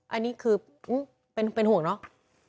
อันนี้คือเป็นห่วงเนาะ